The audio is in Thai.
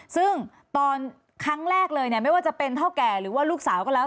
ซึ่งตอนครั้งแรกเลยไม่ว่าจะเป็นเท่าแก่หรือว่าลูกสาวก็แล้ว